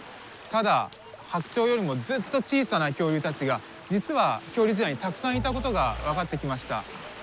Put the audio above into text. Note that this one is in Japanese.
ただ白鳥よりもずっと小さな恐竜たちが実は恐竜時代にたくさんいたことが分かってきました。